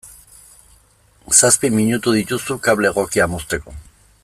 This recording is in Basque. Zazpi minutu dituzu kable egokia mozteko.